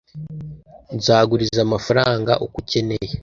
nzaguriza amafaranga uko ukeneye